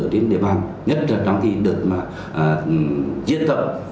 đến địa bàn nhất là trong khi được diễn tập